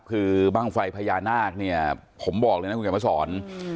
คือบ้างไฟเผยาหน้าผมบอกเลยนะคุณกันมาสอน